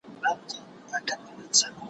په دوکان یې عیال نه سو مړولای